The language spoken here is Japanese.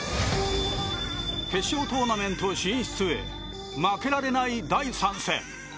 決勝トーナメント進出へ負けられない第３戦。